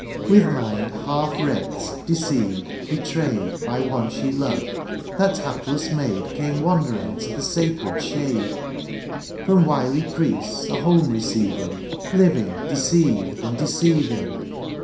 With mind half wrecked, deceived, betrayed. By one she loved, that hapless maid Came wandering to the sacred shade ; From wily priests a home receiving. Living deceived and deceiving.